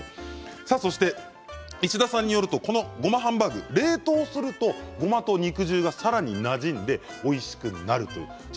そして、石田さんによるとこのごまハンバーグ冷凍するとごまと肉汁がさらになじんでおいしくなるということです。